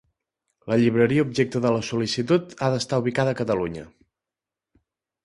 La llibreria objecte de la sol·licitud ha d'estar ubicada a Catalunya.